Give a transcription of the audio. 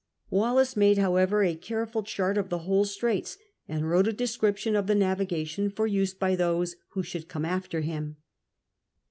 Wallis made, however, a careful chart of the whole Straits, and wrote a description of the navigation for use by Diose who should come after him.